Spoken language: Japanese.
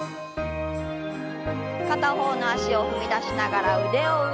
片方の脚を踏み出しながら腕を上。